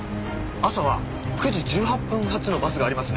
朝は９時１８分発のバスがありますね。